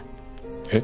えっ？